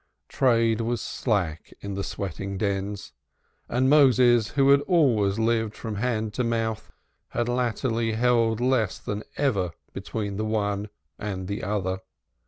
Trade was slack in the sweating dens, and Moses, who had always lived from hand to mouth, had latterly held less than ever between the one and the other.